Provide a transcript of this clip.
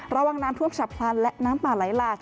ระวังน้ำท่วมฉับพลันและน้ำป่าไหลหลาก